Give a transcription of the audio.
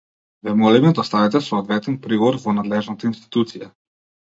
Ве молиме доставете соодветен приговор во надлежната институција.